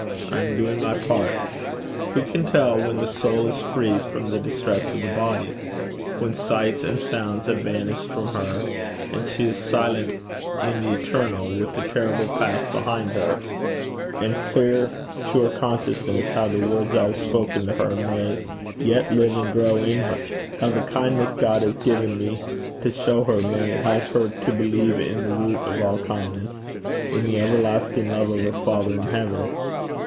I am doing my part. Who can tell, when the soul is free from the distress of the body, when sights and sounds have vanished from her, and she is silent in the eternal, with the terrible past behind her, and clear to her consciousness, how the words I have spoken to her may yet live and grow in her; how the kindness God has given me to show her may help her to believe in the root of all kindness, in the everlasting love of her Father in heaven?